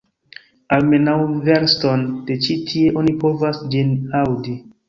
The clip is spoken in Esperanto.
Almenaŭ verston de ĉi tie oni povas ĝin aŭdi!